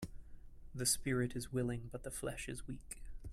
The spirit is willing but the flesh is weak.